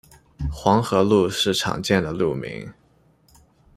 黄河路是常见的路名。